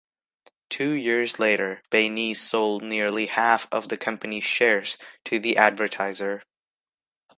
Two years later, Baynes sold nearly half of the company's shares to The Advertiser.